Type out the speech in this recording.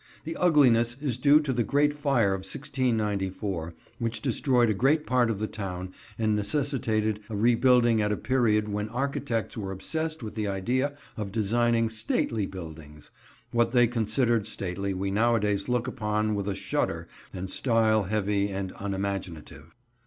The ugliness is due to the great fire of 1694, which destroyed a great part of the town and necessitated a rebuilding at a period when architects were obsessed with the idea of designing "stately" buildings. What they considered stately we nowadays look upon with a shudder and style heavy and unimaginative.